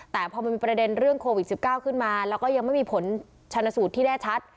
แต่พอมันมีประเด็นเรื่องโควิด๑๙ขึ้นมาแล้วก็ยังไม่มีผลชนสูตรที่แน่ชัด